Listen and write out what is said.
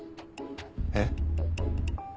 えっ？